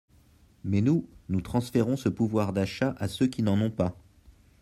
Mais nous, nous transférons ce pouvoir d’achat à ceux qui n’en ont pas.